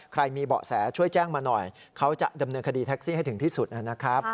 ใครมีเบาะแสช่วยแจ้งมาหน่อย